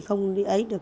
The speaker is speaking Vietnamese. không đi ấy được